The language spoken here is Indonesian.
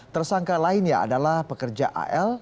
tersangka lainnya adalah pekerja al